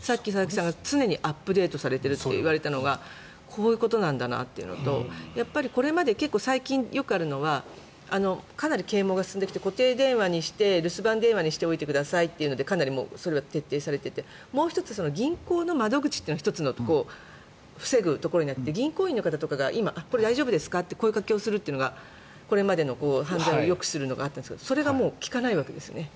さっき佐々木さんが常にアップデートされてると言われたのがこういうことなんだなというのと結構、最近よくあるのはかなり啓もうが進んできて固定電話にして留守番電話にしておいてくださいというのがかなりそれは徹底されていてもう１つ銀行の窓口というのは１つの防ぐところになっていて銀行員の方が今、これ大丈夫ですか？と声掛けするというのがこれまでの犯罪を抑止するのがあったんですがそれがもう利かないわけですよね。